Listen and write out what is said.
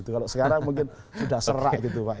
kalau sekarang mungkin sudah serak gitu pak